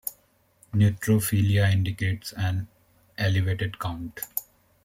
Neutrophilia indicates an elevated count.